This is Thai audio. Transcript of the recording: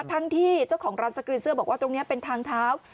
ทั้งที่เจ้าของร้านสกรีนเซอร์บอกว่าตรงนี้เป็นทางเท้า